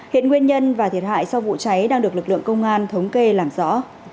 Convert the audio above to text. hiện nguyên nhân và thiệt hại sau vụ cháy đang được lực lượng công an thống kê làm rõ